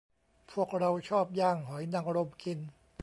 พวกเราชอบย่างหอยนางรมกิน